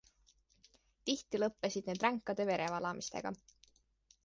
Tihti lõppesid need ränkade verevalamistega.